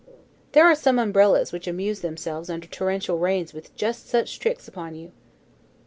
There are some umbrellas which amuse themselves under torrential rains with just such tricks upon you.